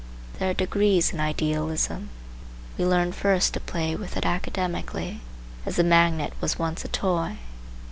There are degrees in idealism. We learn first to play with it academically, as the magnet was once a toy.